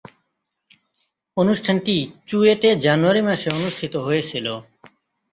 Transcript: অনুষ্ঠানটি চুয়েটে জানুয়ারি মাসে অনুষ্ঠিত হয়েছিলো।